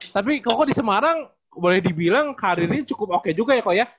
tapi kok di semarang boleh dibilang karirnya cukup oke juga ya kok ya